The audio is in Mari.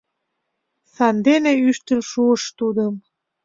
Сандене ӱштыл шуыш тудым...